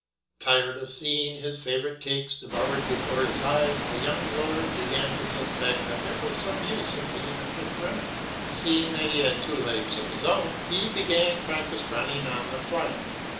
Tired of seeing his favourite cakes devoured before his eyes, the young lord began to suspect that there was some use in being a quick runner, and seeing that he had two legs of his own, he began to practise running on the quiet.